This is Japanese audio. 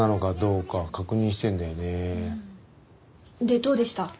でどうでした？